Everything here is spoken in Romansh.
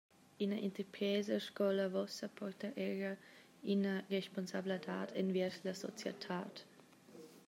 Ina interpresa sco la Vossa porta era ina responsabladad enviers la societad?